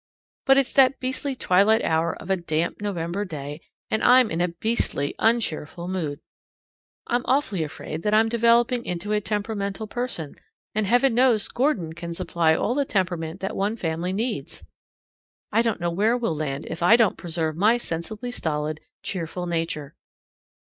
But it's that beastly twilight hour of a damp November day, and I'm in a beastly uncheerful mood. I'm awfully afraid that I am developing into a temperamental person, and Heaven knows Gordon can supply all the temperament that one family needs! I don't know where we'll land if I don't preserve my sensibly stolid, cheerful nature.